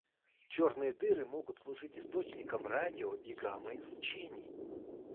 Черные дыры могут служить источником радио- и гамма-излучений.